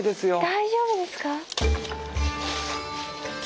大丈夫ですか？